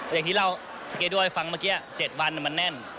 อย่างที่เราสเกดูลให้ฟังเมื่อกี้๗วันแล้วมันแน่น